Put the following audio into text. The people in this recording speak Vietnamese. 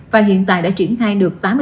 và hiện tại đã triển khai được